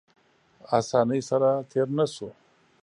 اسانۍ سره تېر نه شو.